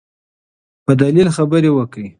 په دلیل خبرې وکړئ.